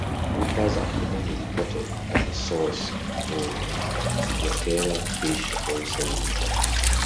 Groupers are commonly reported as a source of Ciguatera fish poisoning.